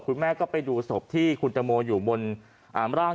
คุณแม่ก็ไปดูศพที่คุณตังโมอยู่บนร่าง